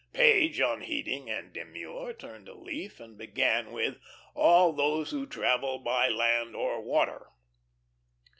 Page, unheeding and demure, turned a leaf, and began with "All those who travel by land or water."